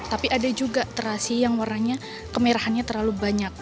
tapi ada juga terasi yang warnanya kemerahannya terlalu banyak